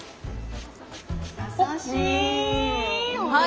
優しい。